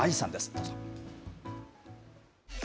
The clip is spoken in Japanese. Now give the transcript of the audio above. どうぞ。